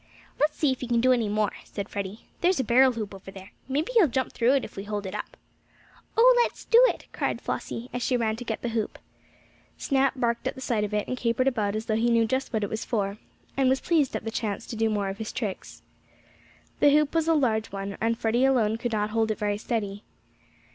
"Let's see if he can do any more," said Freddie. "There's a barrel hoop over there. Maybe he'll jump through it if we hold it up." "Oh, let's do it!" cried Flossie, as she ran to get the hoop. Snap barked at the sight of it, and capered about as though he knew just what it was for, and was pleased at the chance to do more of his tricks. The hoop was a large one, and Freddie alone could not hold it very steady.